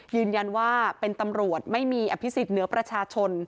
ยืนยันว่าเป็นตำรวจไม่มีอภิษฎเหนือประชาชน